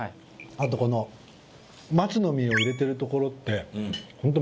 あとこの松の実を入れてるところってほんと。